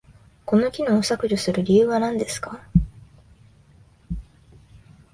この機能を削除する理由は何ですか？